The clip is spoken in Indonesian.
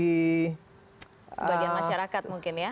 sebagian masyarakat mungkin ya